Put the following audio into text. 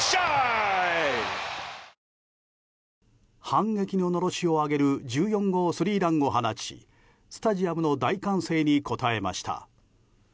反撃ののろしを上げる１４号スリーランを放ちスタジアムの大歓声に応えました。